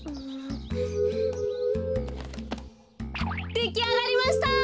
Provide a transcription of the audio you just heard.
できあがりました。